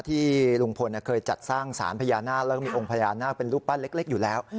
ที่ลุงพลเคยจัดสร้างสารพญานาคแล้วก็มีองค์พญานาคเป็นรูปปั้นเล็กอยู่แล้ว